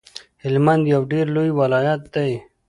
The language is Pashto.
هلمند یو ډیر لوی ولایت دی